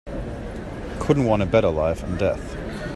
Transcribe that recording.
Couldn't want a better life and death.